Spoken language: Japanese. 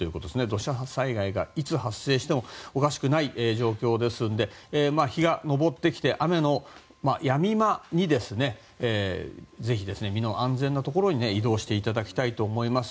土砂災害が、いつ発生してもおかしくない状況ですので日が昇ってきて、雨のやみ間にぜひ身の安全なところに移動していただきたいと思います。